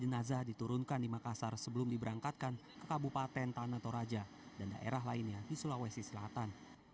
jenazah diturunkan di makassar sebelum diberangkatkan ke kabupaten tanah toraja dan daerah lainnya di sulawesi selatan